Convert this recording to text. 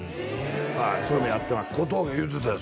はいそういうのやってました小峠言うてたよ